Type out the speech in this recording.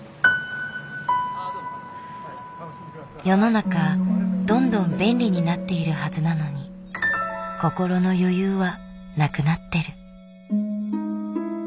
世の中どんどん便利になっているはずなのに心の余裕はなくなってる。